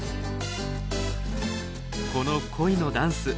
この恋のダンス。